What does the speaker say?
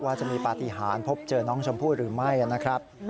จะมีปฏิหารพบเจอน้องชมพู่หรือไม่นะครับ